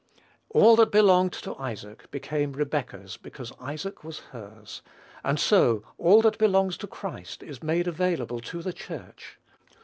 All that belonged to Isaac became Rebekah's because Isaac was hers; and so all that belongs to Christ is made available to the Church.